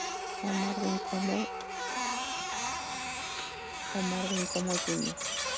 Omar Bencomo Jr.